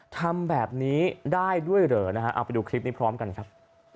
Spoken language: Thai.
ทำแบบนี้ได้ด้วยเหรอนะฮะเอาไปดูคลิปนี้พร้อมกันครับ